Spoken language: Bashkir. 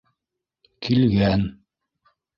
Килгән.